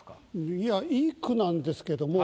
いやいい句なんですけども。